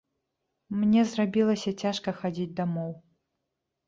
Мне зрабілася цяжка хадзіць дамоў.